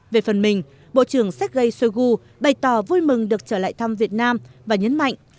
về phần mình bộ trưởng sergei shoigu bày tỏ vui mừng được trở lại thăm việt nam và nhấn mạnh